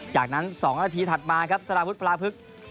จากนั้น๒นาทีถัดมาครับสระพุทธพระพฤกษ์